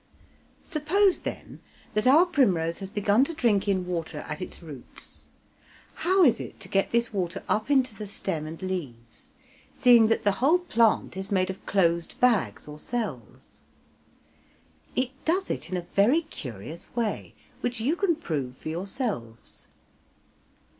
Suppose, then, that our primrose has begun to drink in water at its roots. How is it to get this water up into the stem and leaves, seeing that the whole plant is made of closed bags or cells? It does it in a very curious way, which you can prove for yourselves.